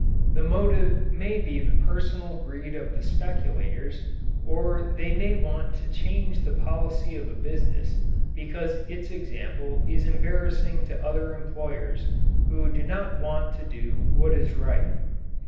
The motive may be the personal greed of the speculators or they may want to change the policy of a business because its example is embarrassing to other employers who do not want to do what is right.